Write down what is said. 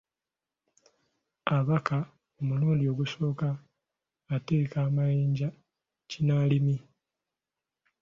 Abaka, omulundi ogusooka ategeka amayinja kinnalimu.